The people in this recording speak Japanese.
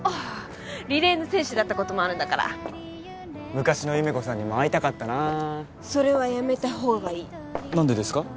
リレーの選手だったこともあるんだから昔の優芽子さんにも会いたかったなそれはやめた方がいい何でですか？